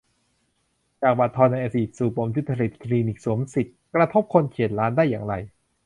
จาก 'บัตรทอง' ในอดีต สู่ปมทุจริต 'คลินิกสวมสิทธิ' กระทบคนเฉียดล้านได้อย่างไร ?